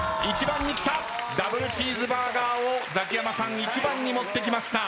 ダブルチーズバーガーをザキヤマさん１番に持ってきました。